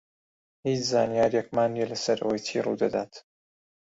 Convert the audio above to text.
هیچ زانیارییەکمان نییە لەسەر ئەوەی چی ڕوو دەدات.